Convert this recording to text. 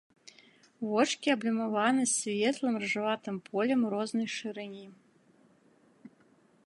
Вочкі аблямаваны светлым рыжаватым полем рознай шырыні.